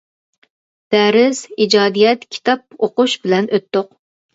دەرس، ئىجادىيەت، كىتاب ئوقۇش بىلەن ئۆتتۇق.